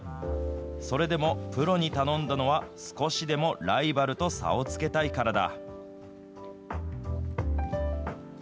それでもプロに頼んだのは、少しでもライバルと差をつけたいからだ。